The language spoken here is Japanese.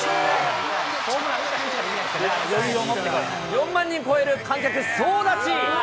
４万人を超える観客総立ち。